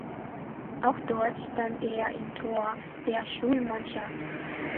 Auch dort stand er im Tor der Schulmannschaft.